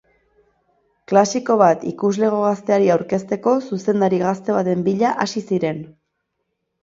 Klasiko bat ikuslego gazteari aurkezteko zuzendari gazte baten bila hasi ziren.